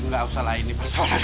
enggak usah lah ini bersalah